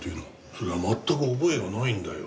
それが全く覚えがないんだよ。